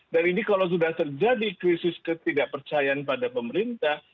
dan ini kalau sudah terjadi krisis ketidakpercayaan pada pemerintah